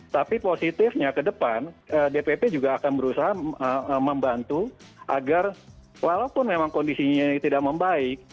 tapi positifnya ke depan dpp juga akan berusaha membantu agar walaupun memang kondisinya tidak membaik